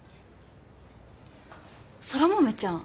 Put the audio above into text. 空豆ちゃん